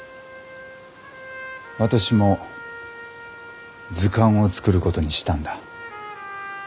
私も図鑑を作ることにしたんだ。